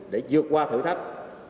để dược qua thử thách